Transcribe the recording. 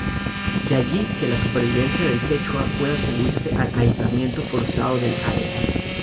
De allí, que la supervivencia del quechua puede atribuirse al aislamiento forzado del área.